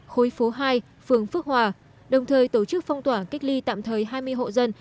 khối phố hai phường phước hòa đồng thời tổ chức phong tỏa cách ly tạm thời hai mươi hộ dân